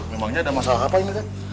memangnya ada masalah apa ini kan